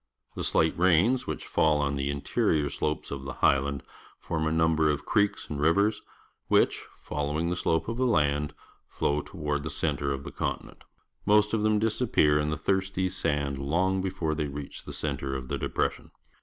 The slight rains which fall on the interior slopes of tlie highland form a number of creeks and ri\ ers, which, following the slope of the land, flow toward the centre of the continent. Most of them disappear in the thirsty sand long before they reach the centre of the depression.